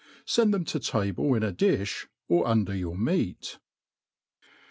Send them to table in a diilr, ot under your meat.